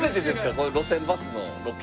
こういう路線バスのロケ。